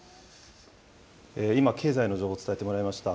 今、経済の状況を伝えてもらいました。